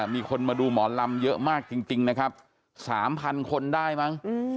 มีคนมาดูหมอลำเยอะมากจริงนะครับ๓๐๐คนได้มั้ง